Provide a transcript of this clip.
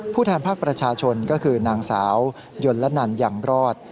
แทนภาคประชาชนก็คือนางสาวยนละนันยังรอด